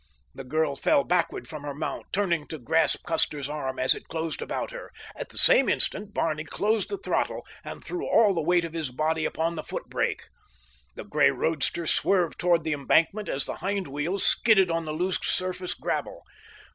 The girl fell backward from her mount, turning to grasp Custer's arm as it closed about her. At the same instant Barney closed the throttle, and threw all the weight of his body upon the foot brake. The gray roadster swerved toward the embankment as the hind wheels skidded on the loose surface gravel.